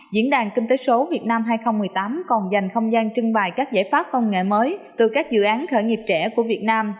diễn đàn kinh tế số việt nam hai nghìn một mươi tám còn dành không gian trưng bày các giải pháp công nghệ mới từ các dự án khởi nghiệp trẻ của việt nam